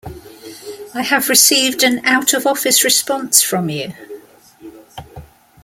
I have received an Out of Office response from you.